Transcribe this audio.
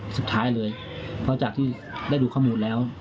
แล้วจากที่เราก็ได้ดูข้อมูลแล้ว